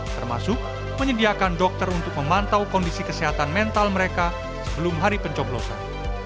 termasuk menyediakan dokter untuk memantau kondisi kesehatan mental mereka sebelum hari pencoblosan